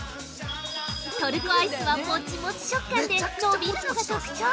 ◆トルコアイスはもちもち食感で伸びるのが特徴。